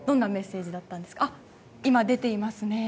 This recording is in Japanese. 今、出ていますね。